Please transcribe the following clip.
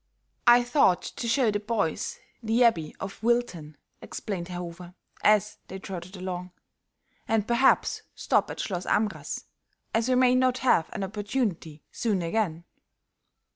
"I thought to show the boys the Abbey of Wilten," explained Herr Hofer, as they trotted along, "and perhaps stop at Schloss Amras, as we may not have an opportunity soon again."